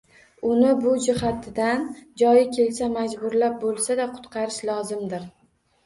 Uni bu jihatidan joyi kelsa majburlab bo‘lsada qutqarish lozimdir.